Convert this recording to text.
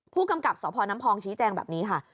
ผู้กำกับสนชิแจงแบบนี้ค่ะ